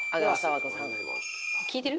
聞いてる？